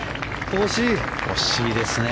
惜しいですね。